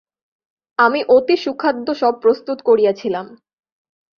আমি অতি সুখাদ্য সব প্রস্তুত করিয়াছিলাম।